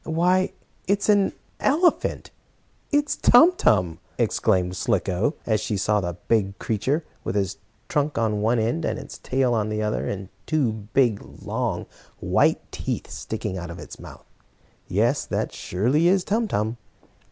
"Why, it's an elephant it's Tum Tum!" exclaimed Slicko, as she saw the big creature, with his trunk on one end, and his tail on the other, and two big, long, white teeth sticking out of his mouth. "Yes, that surely is Tum Tum!"